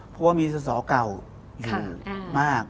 เพราะว่ามีสศวกกาวอยู่มาก